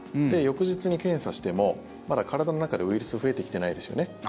で、翌日に検査してもまだ体の中でウイルスが増えてきてないですよね。